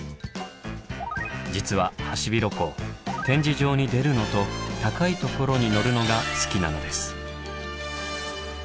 実はハシビロコウ「展示場に出る」のと「高いところに乗る」のが好きなのです。